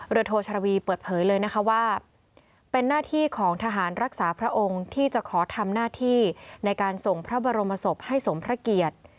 โทชรวีเปิดเผยเลยนะคะว่าเป็นหน้าที่ของทหารรักษาพระองค์ที่จะขอทำหน้าที่ในการส่งพระบรมศพให้สมพระเกียรติ